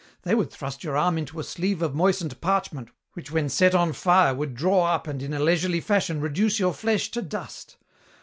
They would thrust your arm into a sleeve of moistened parchment which when set on fire would draw up and in a leisurely fashion reduce your flesh to dust.